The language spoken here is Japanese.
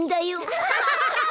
アハハハハ！